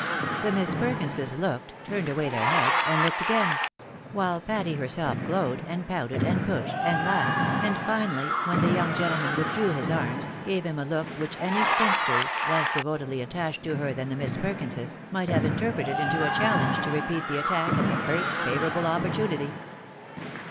The Miss Perkinses looked, turned away their heads, and looked again ; while Patty herself glowed, and pouted, and pushed, and laughed, and finally, when the young gentleman withdrew his arms, gave him a look which any spinsters, less devotedly attached to her than the Miss Perkinses, might have interpreted into a challenge to repeat the attack at the first favourable opportunity.